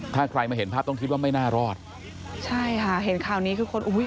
ถ้าใครมาเห็นภาพต้องคิดว่าไม่น่ารอดใช่ค่ะเห็นข่าวนี้คือคนอุ้ย